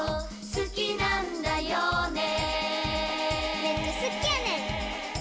「好きなんだよね？」